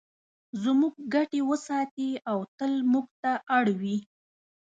زموږ ګټې وساتي او تل موږ ته اړ وي.